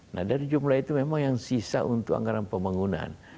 nah dari jumlah itu memang yang sisa untuk anggaran pembangunan